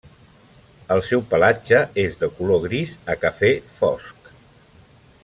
El seu pelatge és de color gris a cafè fosc.